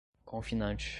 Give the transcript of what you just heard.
confinante